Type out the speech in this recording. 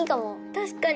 確かに。